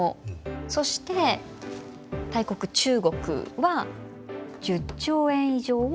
そして大国中国は１０兆円以上を。